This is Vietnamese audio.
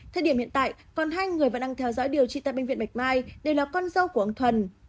thời điểm hiện tại còn hai người vẫn đang theo dõi điều trị tại bệnh viện bạch mai đều là con dâu của ông thuần